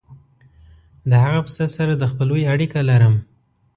د هغه پسه سره د خپلوۍ اړیکه لرم.